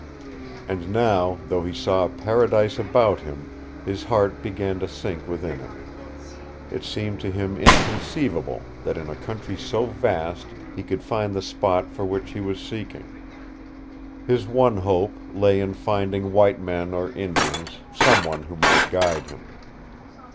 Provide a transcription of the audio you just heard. And now, though he saw a paradise about him, his heart began to sink within him. It seemed to him inconceivable that in a country so vast he could find the spot for which he was seeking. His one hope lay in finding white men or Indians, some one who might guide him.